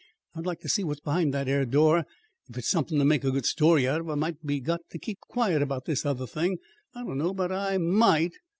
I'd like to see what's behind that 'ere door. If it's somethin' to make a good story out of, I might be got to keep quiet about this other thing. I don't know, but I MIGHT."